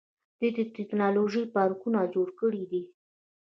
دوی د ټیکنالوژۍ پارکونه جوړ کړي دي.